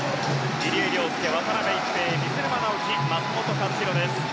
入江陵介、渡辺一平水沼尚輝、松元克央です。